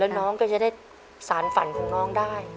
แล้วน้องก็จะได้สารฝันของน้องได้